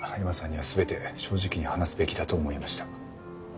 恵麻さんには全て正直に話すべきだと思いました。